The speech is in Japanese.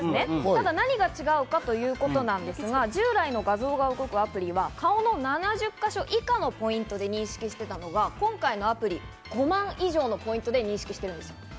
ただ、何が違うかということなんですが従来の画像が動くアプリは顔の７０か所以下のポイントで認識してたのが、今回のアプリ、５万以上のポイントで認識しています。